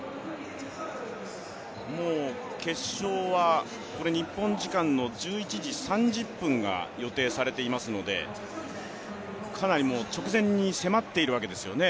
もう決勝は日本時間の１１時３０分が予定されていますのでかなり直前に迫っているわけですよね。